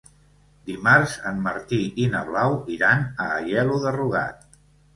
Dimarts en Martí i na Blau iran a Aielo de Rugat.